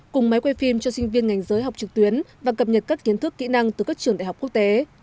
cùng máy quay phim cho sinh viên ngành giới học trực tuyến và cập nhật các kiến thức kỹ năng từ các trường đại học quốc tế